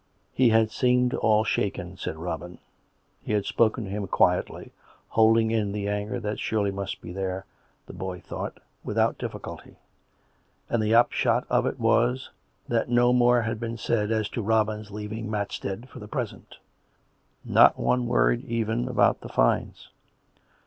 He had seemed all shaken, said Robin ; he had spoken to him quietly, hold ing in the anger that surely must be there, the boy thought, without difficulty. And the upshot of it was that no more had been said as to Robin's leaving Matstead for the present — not one word even about the fines.